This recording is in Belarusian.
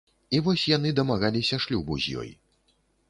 І вось яны дамагаліся шлюбу з ёй.